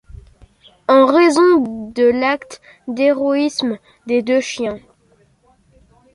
En raison de l'acte d'héroïsme des deux chiens.